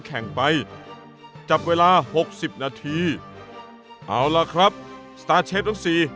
แข่งไปจับเวลาหกสิบนาทีเอาล่ะครับสตาร์เชฟทั้งสี่